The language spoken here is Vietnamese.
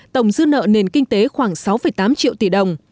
tổng dư nợ nền kinh tế khoảng sáu tám triệu tỷ đồng